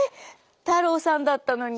太郎さんだったのに。